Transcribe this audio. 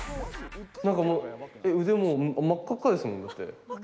なんか、もう腕、もう、真っ赤っかですもん。